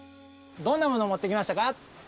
どんなものもってきましたか？